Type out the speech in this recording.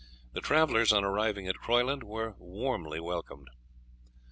The travellers, on arriving at Croyland, were warmly welcomed.